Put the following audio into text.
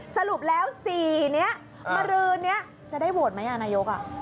สรุปแล้ว๔นี้มารือนี้จะได้โหวตไหมนายก